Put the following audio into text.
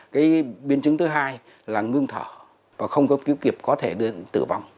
cái biến chứng thứ hai là ngưng thở và không có kiếm kiệp có thể tử vong